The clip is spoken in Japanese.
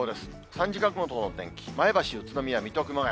３時間ごとのお天気、前橋、宇都宮、水戸、熊谷。